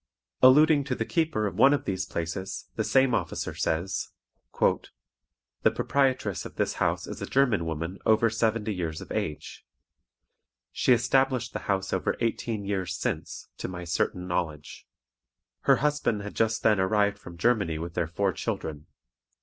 Alluding to the keeper of one of these places, the same officer says: "The proprietress of this house is a German woman over seventy years of age. She established the house over eighteen years since, to my certain knowledge. Her husband had just then arrived from Germany with their four children.